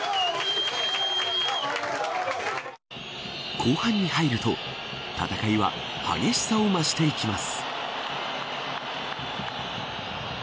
後半に入ると戦いは激しさを増していきます。